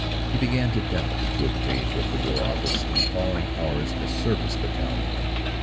He began to doubt the good faith of the War Office in calling ours a "service" battalion.